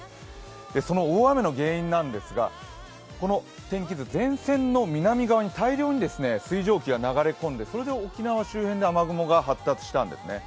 その大雨の原因なんですが、この天気図、前線の南側に大量に水蒸気が流れ込んで沖縄周辺で雨雲が発達したんですね。